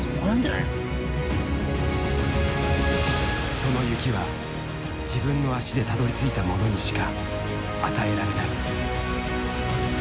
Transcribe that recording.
その雪は自分の足でたどりついた者にしか与えられない。